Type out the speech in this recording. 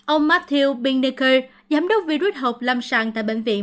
ông matthew binnicker giám đốc vi rút hộp lâm sàng tại bắc kinh